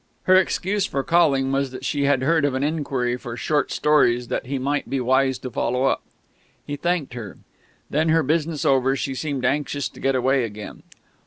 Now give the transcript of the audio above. Her excuse for calling was that she had heard of an inquiry for short stories that he might be wise to follow up. He thanked her. Then, her business over, she seemed anxious to get away again.